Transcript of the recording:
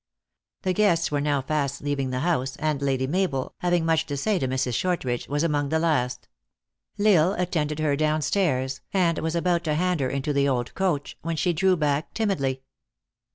The guests were now fast leaving the house, and Lady Mabel, having much to say to Mrs. Shortridge, was among the last. L Isle attended her down stairs, and was about to hand her into the old coach, when she drew back timidly.